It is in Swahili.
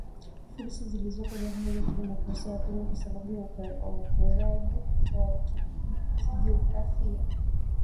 fursa zilizoko jamuhuri ya kidemokrasia ya Kongo kwa sababu ya ukaribu wao kijografia